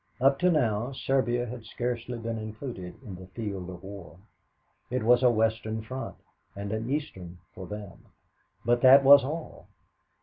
Up to now, Serbia had scarcely been included in the field of war. There was a Western front and an Eastern for them, but that was all.